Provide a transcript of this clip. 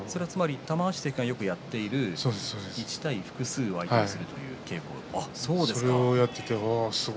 玉鷲関がよくやっている１対複数という稽古ですね。